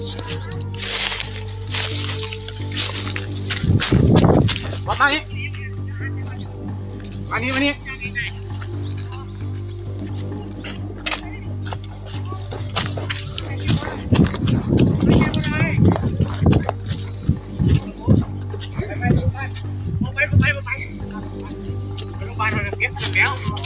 เฮ้ย